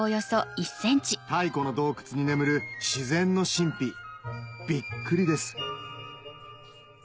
太古の洞窟に眠る自然の神秘ビックリです